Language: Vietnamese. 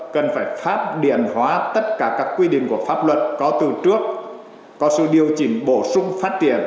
cần phải pháp điển hóa tất cả các quy định của pháp luật có từ trước có sự điều chỉnh bổ sung phát triển